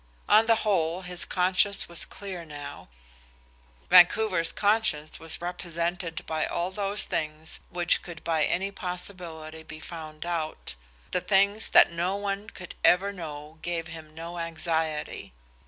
On the whole, his conscience was clear enough. Vancouver's conscience was represented by all those things which could by any possibility be found out; the things that no one could ever know gave him no anxiety.